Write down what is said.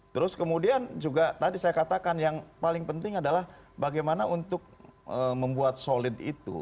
terus kemudian juga tadi saya katakan yang paling penting adalah bagaimana untuk membuat solid itu